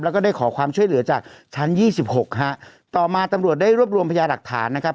แล้วก็ได้ขอความช่วยเหลือจากชั้นยี่สิบหกฮะต่อมาตำรวจได้รวบรวมพยาหลักฐานนะครับ